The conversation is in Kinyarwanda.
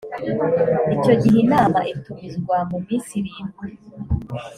icyo gihe inama itumizwa mu minsi irindwi